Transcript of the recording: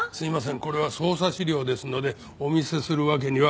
これは捜査資料ですのでお見せするわけには。